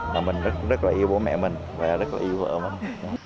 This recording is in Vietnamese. và mình rất là yêu bố mẹ mình và rất là yêu vợ mình